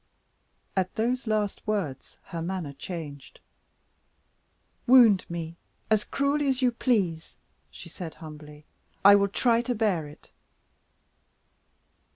At those last words her manner changed. "Wound me as cruelly as you please," she said, humbly. "I will try to bear it."